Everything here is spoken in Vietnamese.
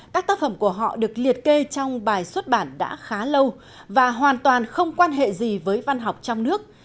các tác phẩm của họ được liệt kê trong bài xuất bản đã khá lâu và hoàn toàn không quan hệ gì với văn học trong nước